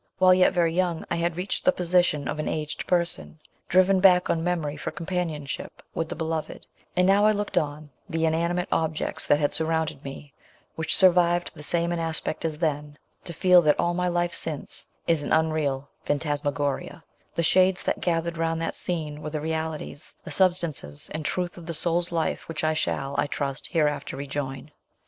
While yet very young, I had reached the position of an aged person, driven back on memory for companionship with the beloved, and now I looked on the inanimate objects that had surrounded me, which survived the same in aspect as then, to feel that all my life since is an unreal phantasmagoria the shades that gathered round that scene were the realities, the substances and truth of the soul's life which I shall, I trust, hereafter rejoin.